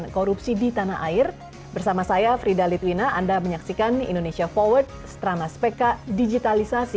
korupsi di indonesia